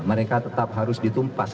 mereka tetap harus ditumpas